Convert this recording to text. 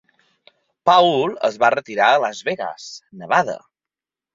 Paul es va retirar a Las Vegas, Nevada.